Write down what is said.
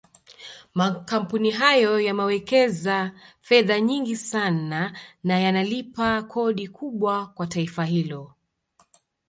Makampuni hayo yamewekeza fedha nyingi sana na yanalipa kodi kubwa kwa taifa hilo